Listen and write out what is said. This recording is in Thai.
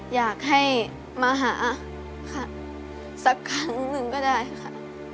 อยากให้มาหาค่ะสักครั้งหนึ่งก็ได้ค่ะ